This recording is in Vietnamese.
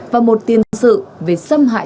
và một tiền dân sự về xâm hại